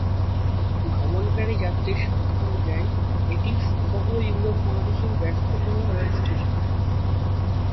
ভ্রমণকারী যাত্রীর সংখ্যা অনুযায়ী এটি সমগ্র ইউরোপ মহাদেশের ব্যস্ততম রেলস্টেশন।